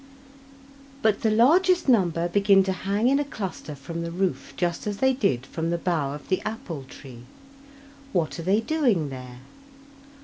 But the largest number begin to hang in a cluster from the roof just as they did from the bough of the apple tree. What are they doing there?